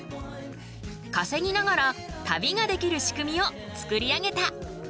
かせぎながら旅ができる仕組みを作り上げた。